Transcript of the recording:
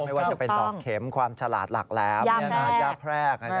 ไม่ว่าจะเป็นดอกเข็มความฉลาดหลักแหลมย่าแพรก